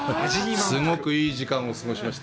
すごくいい時間を過ごしました。